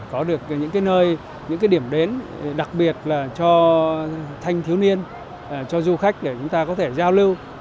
có được những nơi những cái điểm đến đặc biệt là cho thanh thiếu niên cho du khách để chúng ta có thể giao lưu